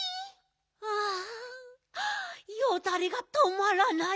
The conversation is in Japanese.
あよだれがとまらない。